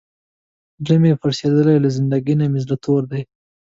زړه مې پړسېدلی، له زندګۍ نه مې زړه تور دی.